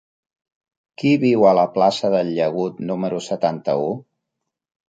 Qui viu a la plaça del Llagut número setanta-u?